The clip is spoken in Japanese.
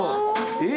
えっ？